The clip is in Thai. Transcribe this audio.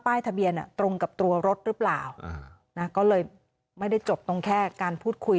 ทะเบียนตรงกับตัวรถหรือเปล่านะก็เลยไม่ได้จบตรงแค่การพูดคุย